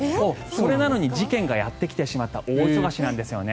それなのに事件がやってきてしまった大忙しなんですよね